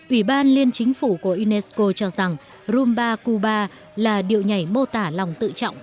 ủy ban liên chính phủ của unesco cho rằng romba cuba là điệu nhảy mô tả lòng tự trọng